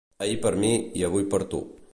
Ahir per mi i avui per tu.